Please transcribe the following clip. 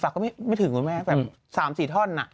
ก็ไม่ถึงคุณแม่แบบ๓๔ท่อน